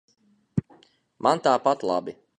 Man tāpat labi.